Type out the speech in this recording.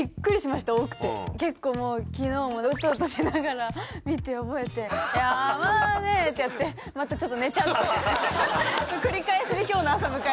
結構もう昨日もウトウトしながら見て覚えて「山根！」ってやってまたちょっと寝ちゃって。の繰り返しで今日の朝迎えましたね。